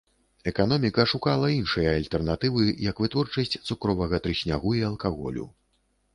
Эканоміка шукала іншыя альтэрнатывы, як вытворчасць цукровага трыснягу і алкаголю.